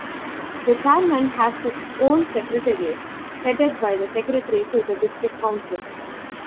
The Chairman has his own Secretariat headed by the Secretary to the District Council.